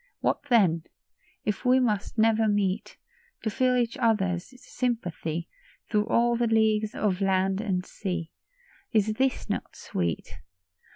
What then ? If we must never meet — To feel each other's sympathy Through all the leagues of land and sea, Is this not sweet